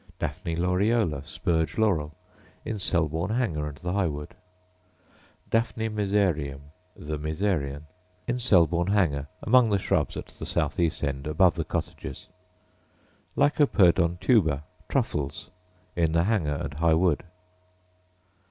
Daphne laureola, spurge laurel, — in Selborne Hanger and the High wood. Daphne mezereum, the mezereon, — in Selborne Hanger among the shrubs at the south east end above the cottages. Lycoperdon tuber, truffles, — in the Hanger and High wood.